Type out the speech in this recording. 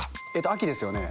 秋ですよね。